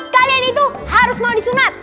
kalian itu harus mau disunat